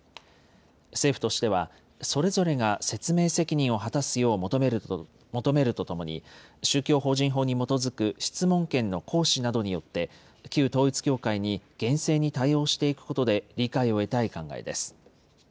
政府としては、それぞれが説明責任を果たすよう求めるとともに、宗教法人法に基づく質問権の行使などによって、旧統一教会に厳正に対応していくことで理解を得たい考えです。